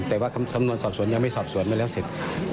แต่ว่าคำสำนวนสอบสวนไม่สอบสวนเมื่อแล้วต้องเสร็จ